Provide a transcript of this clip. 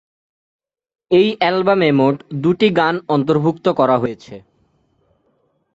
এই অ্যালবামে মোট দুইটি গান অন্তর্ভুক্ত করা হয়েছে।